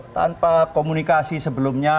tanpa komunikasi sebelumnya